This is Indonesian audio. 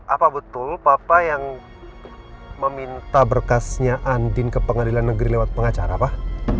apa betul papa yang meminta berkasnya andin ke pengadilan negeri lewat pengacara pak